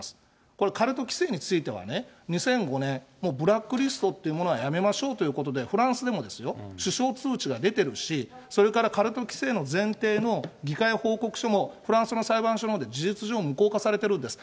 これ、カルト規制についてはね、２００５年、もうブラックリストっていうものはやめましょうということで、フランスでもですよ、首相通知が出てるし、それからカルト規制の前提の議会報告書も、フランスの裁判所のほうで事実上、無効化されているんです。